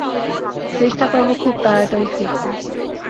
চেষ্টা করব খুব তাড়াতাড়ি ফিরতে।